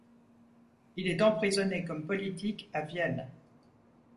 Il est emprisonné comme politique à Vienne.